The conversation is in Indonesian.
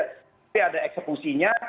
tapi ada eksekusinya